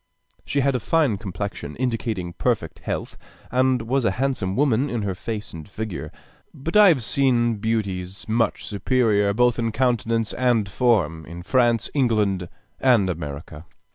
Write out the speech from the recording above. She had a fine complexion, indicating perfect health, and was a handsome woman in her face and figure. But I have seen beauties much superior, both in countenance and form, in France, England, and America.